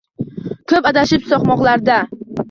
Ko’p adashib so’qmoqlarda